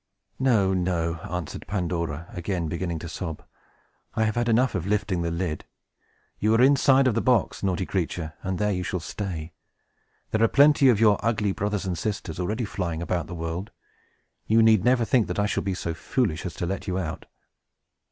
"No, no," answered Pandora, again beginning to sob, "I have had enough of lifting the lid! You are inside of the box, naughty creature, and there you shall stay! There are plenty of your ugly brothers and sisters already flying about the world. You need never think that I shall be so foolish as to let you out!"